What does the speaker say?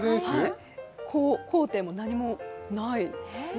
高低も何もない。